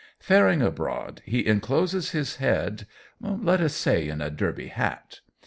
Faring abroad, he encloses his head, let us say in a derby hat.